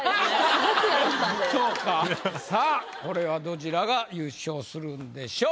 そうかさぁこれはどちらが優勝するんでしょう？